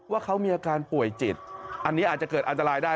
ว่าเขามีอาการป่วยจิตอันนี้อาจจะเกิดอันตรายได้